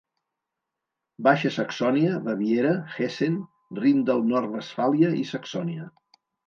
Baixa Saxònia, Baviera, Hessen, Rin del Nord-Westfàlia i Saxònia.